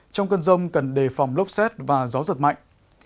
trong cơn rông cần đề phòng lốc xét và gió giật mạnh